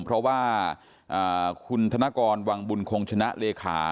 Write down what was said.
เพราะว่าคุณธนกรวังบุญคงชนะเลขา